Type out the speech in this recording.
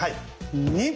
２！